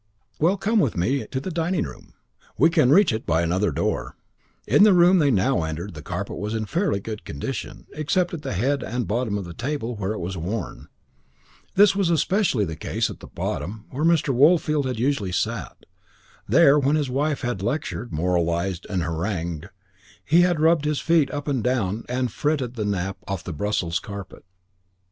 "Well come with me to the dining room. We can reach it by another door." In the room they now entered the carpet was in fairly good condition, except at the head and bottom of the table, where it was worn. This was especially the case at the bottom, where Mr. Woolfield had usually sat. There, when his wife had lectured, moralised, and harangued, he had rubbed his feet up and down and had fretted the nap off the Brussels carpet.